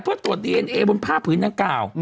เพื่อตรวจดีเอแอนเอบนพ่าผื้นดางเก่า